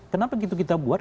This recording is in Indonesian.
kenapa begitu kita buat